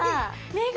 目が。